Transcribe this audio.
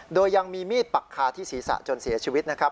โดยยังมีมีดปักคาที่ศีรษะจนเสียชีวิตนะครับ